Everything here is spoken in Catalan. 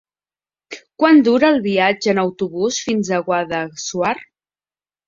Quant dura el viatge en autobús fins a Guadassuar?